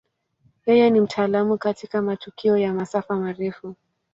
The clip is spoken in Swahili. Yeye ni mtaalamu katika matukio ya masafa marefu.